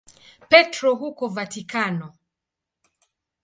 Petro huko Vatikano.